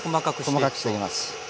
はい細かくしていきます。